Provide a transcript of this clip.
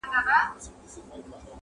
• د رحمن بابا د شعر کمال -